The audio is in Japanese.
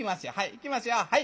いきますよはい。